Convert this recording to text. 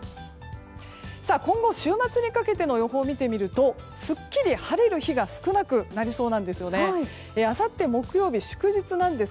今後、週末にかけての予報を見てみるとすっきり晴れる日が少なくなりそうなんです。